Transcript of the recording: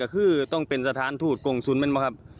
คือต้องเป็นสถานถูกกงสุนมันมาครับ